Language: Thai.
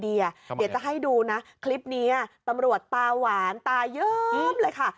เดี๋ยวจะให้ดูนะคลิปนี้ตำรวจตาหวานตาเยิ้มเลยค่ะ